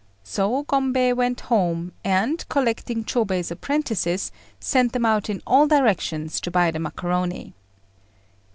So Gombei went home, and, collecting Chôbei's apprentices, sent them out in all directions to buy the macaroni.